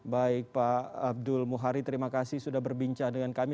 baik pak abdul muhari terima kasih sudah berbincang dengan kami